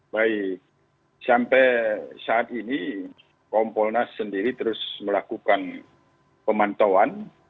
baik sampai saat ini kompolnas sendiri terus melakukan pemantauan